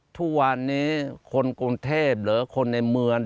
ทุกวันนี้คนกรุงเทพหรือคนในเมือง